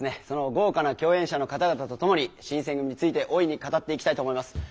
その豪華な共演者の方々とともに「新選組！」について大いに語っていきたいと思います。